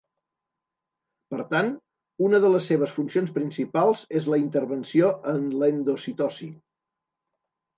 Per tant, una de les seves funcions principals és la intervenció en l’endocitosi.